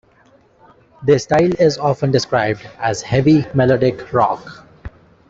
Their style is often described as heavy melodic rock.